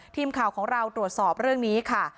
ทีมข่าวของเราตรวจสอบเรื่องนี้ค่ะ